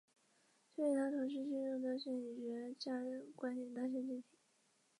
实现零复制的软件通常依靠基于直接记忆体存取的内存映射。